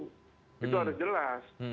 itu harus jelas